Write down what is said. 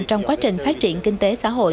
trong quá trình phát triển kinh tế xã hội